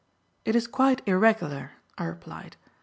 "It is quite irregular," I replied.